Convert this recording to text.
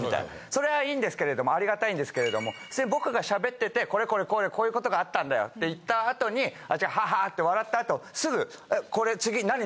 それはいいんですけれどもありがたいんですけれども僕が喋っててこれこれこうでこういうことがあったんだよって言ったあとにハハハ！って笑ったあと。